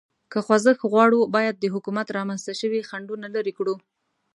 که خوځښت غواړو، باید د حکومت رامنځ ته شوي خنډونه لرې کړو.